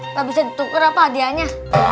nggak bisa ditukar apa hadiahnya